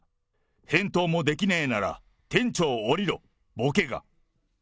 返答もできねーなら、店長降りろ、ぼけが！